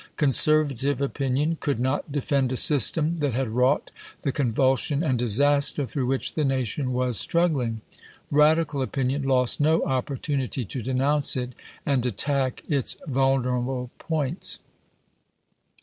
Conservative opinion could not defend a system that had wrought the convul sion and disaster through which the nation was struggling. Radical opinion lost no opportunity to denounce it and attack its vulnerable points.